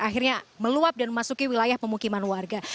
akhirnya meluap dan memasuki wilayah pemukiman warga